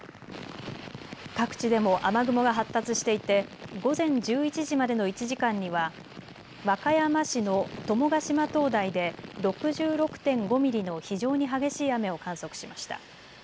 各地でも雨雲が発達していて午前１１時までの１時間には和歌山市の友ヶ島灯台で６６．５ミリの非常に激しい雨を観測しました。